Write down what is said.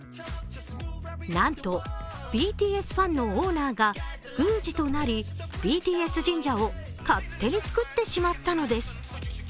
なんと、ＢＴＳファンのオーナーが宮司となり、ＢＴＳ神社を勝手に作ってしまったのです。